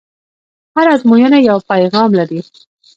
هره ازموینه یو پیغام لري.